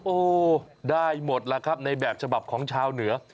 โอ้ได้หมดแล้วครับในแบบฉบับของชาวเหนือ